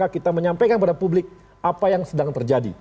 kita menyampaikan pada publik apa yang sedang terjadi